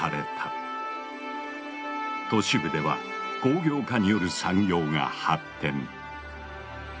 都市部では工業化による産業が発展。